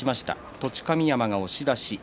栃神山が押し出し。